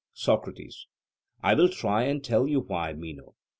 SOCRATES: I will try and tell you why, Meno.